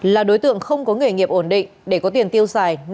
là đối tượng không có nghề nghiệp ổn định để có tiền tiêu xài